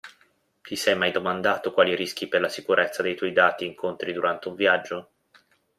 Ti sei mai domandato quali rischi per la sicurezza dei tuoi dati incontri durante un viaggio?